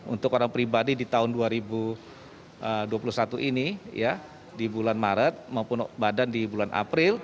untuk orang pribadi di tahun dua ribu dua puluh satu ini di bulan maret maupun badan di bulan april